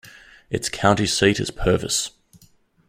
Its county seat is Purvis.